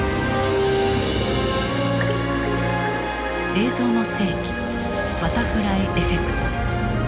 「映像の世紀バタフライエフェクト」。